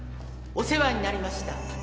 お世話になりました。